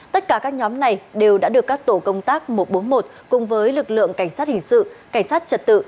tất cả các nhóm này đều đã được các tổ công tác một trăm bốn mươi một cùng với lực lượng cảnh sát hình sự cảnh sát trật tự